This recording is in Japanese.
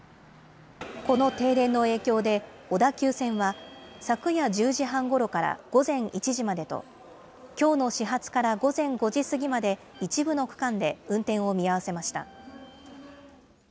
この停電の影響で、小田急線は、昨夜１０時半ごろから午前１時までと、きょうの始発から午前５時過ぎまで、一部の区間で運転を見合わせました。